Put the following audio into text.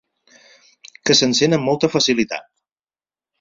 Que s'encén amb molta facilitat.